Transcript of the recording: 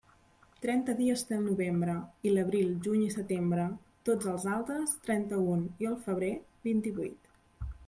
Trenta dies té el novembre, i l'abril, juny i setembre; tots els altres, trenta-un i el febrer vint-i-vuit.